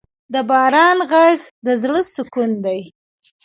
د باران ږغ د زړه سکون دی.